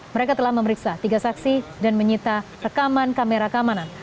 mereka telah memeriksa tiga saksi dan menyita rekaman kamera keamanan